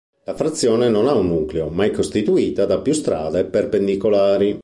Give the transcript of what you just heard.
La frazione non ha un nucleo ma è costituita da più strade perpendicolari.